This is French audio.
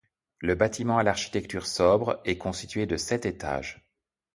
Le bâtiment à l'architecture sobre est constitué de sept étages.